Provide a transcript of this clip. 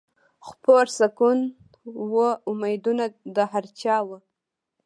خپور سکون و امیدونه د هر چا وه